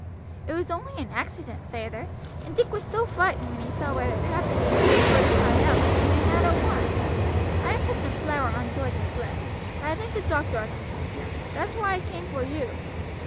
"It was only an accident, feyther, and Dick was so frightened when he saw what had happened and heard George cry out that he ran out at once. I have put some flour on George's leg; but I think the doctor ought to see him, that's why I came for you."